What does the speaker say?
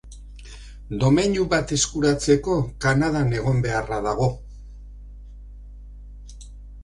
Domeinu bat eskuratzeko Kanadan egon beharra dago.